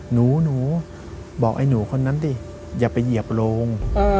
หนูบอกไอ้หนูคนนั้นดิอย่าไปเหยียบโรง